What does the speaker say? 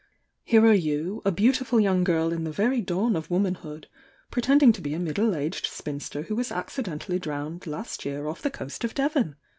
Here are you, a beautiful young girl in the very dawn of womanhood, pretending to be a middle aged spinster who was accidentally drowned last year off the coast of Devon